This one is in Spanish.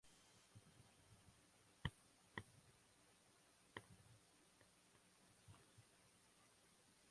Representó una literatura relacionada con el humanismo cristiano.